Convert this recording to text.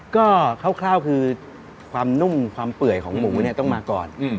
ก็คร่าวคือความนุ่มความเปื่อยของหมูเนี่ยต้องมาก่อน